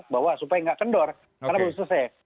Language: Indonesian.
bahwa supaya nggak kendor karena belum selesai